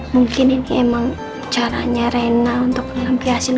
mungkin ini emang caranya reina untuk nampiasin